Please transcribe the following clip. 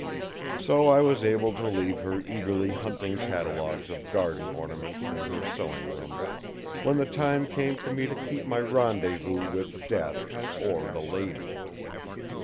So I was able to leave her eagerly hunting catalogues of garden ornaments in her sewing room, when the time came for me to keep my rendezvous with Death or the lady.